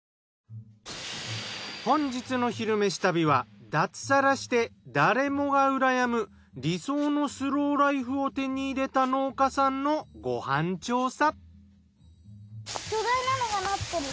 本日の「昼めし旅」は脱サラして誰もがうらやむ理想のスローライフを手に入れた農家さんのご飯調査。